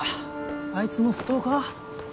あいつのストーカー？